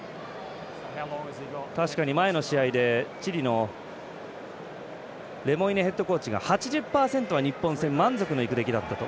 前の試合でチリのレモイネヘッドコーチが８０％は日本戦満足いく出来だったと。